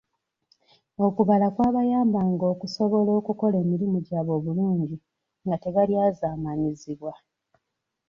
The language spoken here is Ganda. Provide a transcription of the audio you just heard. Okubala kwabayambanga okusobola okukola emirimu gyabwe obulungi nga tebalyazamaanyizibwa.